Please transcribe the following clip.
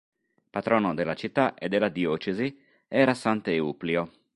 Patrono della città e della diocesi era sant'Euplio.